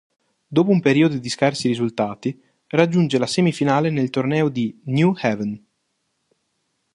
Dopo un periodo di scarsi risultati, raggiunge la semifinale nel torneo di New Haven.